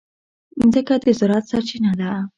مځکه د زراعت سرچینه ده.